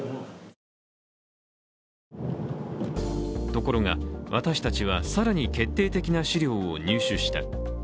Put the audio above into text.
ところが私たちは更に決定的な資料を入手した。